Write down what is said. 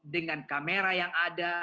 dengan kamera yang ada